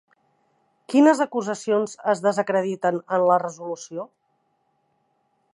Quines acusacions es desacrediten en la resolució?